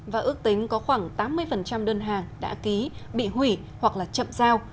và ước tính có khoảng tám mươi đơn hàng đã ký bị hủy hoặc chậm giao